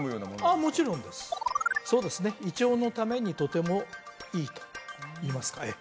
ああもちろんですそうですね胃腸のためにとてもいいといいますかええ